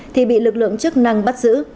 thì bị lực lượng chức năng bắt giữ